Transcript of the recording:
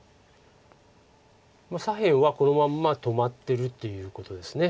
左辺はこのまんま止まってるということです。